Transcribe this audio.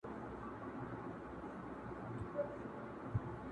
زورور له زورور څخه ډارېږي!!